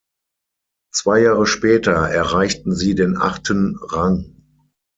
Zwei Jahre später erreichten sie den achten Rang.